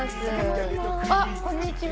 あっこんにちは。